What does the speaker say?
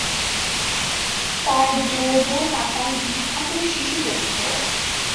তার 'ডোডো-তাতাই' বিখ্যাত শিশু চরিত্র।